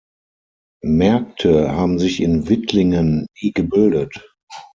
Märkte haben sich in Wittlingen nie gebildet.